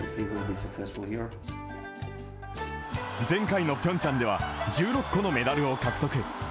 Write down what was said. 前回のピョンチャンでは１６個のメダルを獲得。